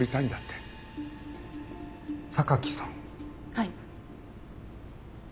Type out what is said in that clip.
はい。